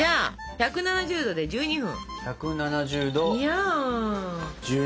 １７０℃１２分！